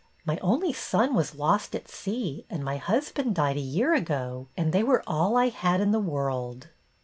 My only son was lost at sea and my husband died a year ago, and they were all I had in the world."